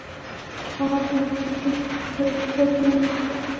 هغه په اروپا کې چاپ شوي کتابونه لوستي وو.